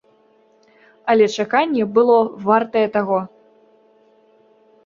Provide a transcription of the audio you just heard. Але чаканне было вартае таго.